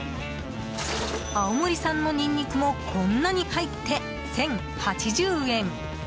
青森産のニンニクもこんなに入って１０８０円。